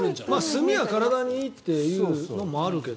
炭は体にいいっていうのもあるけど。